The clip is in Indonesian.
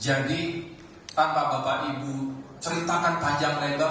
jadi tanpa bapak ibu ceritakan panjang lembar